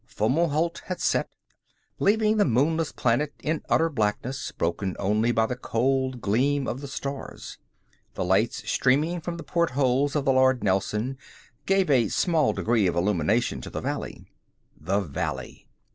Fomalhaut had set, leaving the moonless planet in utter blackness, broken only by the cold gleam of the stars. The lights streaming from the portholes of the Lord Nelson gave a small degree of illumination to the valley. The valley.